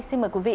xin mời quý vị